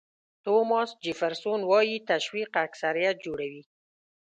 توماس جیفرسون وایي تشویق اکثریت جوړوي.